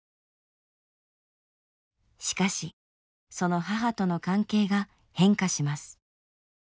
しかしその母との関係が変化します。